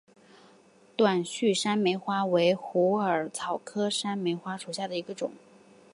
短序山梅花为虎耳草科山梅花属下的一个种。